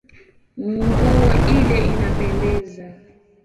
Nguo ile inapendeza.